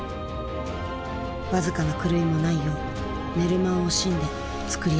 僅かな狂いもないよう寝る間を惜しんで作り上げた。